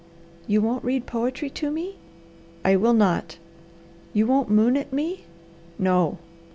"You won't read poetry to me?" "I will not." "You won't moon at me?" "No!"